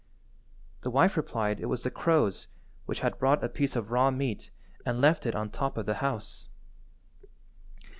The wife replied it was the crows, which had brought a piece of raw meat and left it on the top of the house.